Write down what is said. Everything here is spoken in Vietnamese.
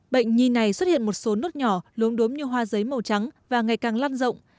bệnh nhi này xuất hiện một số nốt nhỏ lốm đốm như hoa giấy màu trắng và ngày càng lan rộng